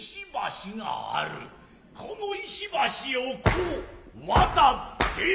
この石橋を斯う渡って。